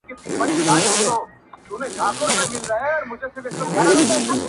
ځوان يوه غټه ساه ورکش کړه_